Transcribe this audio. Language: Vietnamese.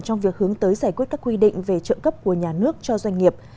trong việc hướng tới giải quyết các quy định về trợ cấp của nhà nước cho doanh nghiệp